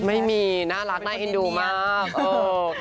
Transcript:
ไม่มีน่ารักน่าเอ็นดูมาก